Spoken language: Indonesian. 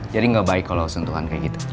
gak baik kalau sentuhan kayak gitu